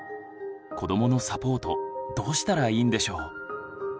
子どものサポートどうしたらいいんでしょう？